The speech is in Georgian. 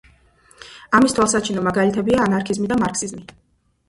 ამის თვალსაჩინო მაგალითებია ანარქიზმი და მარქსიზმი.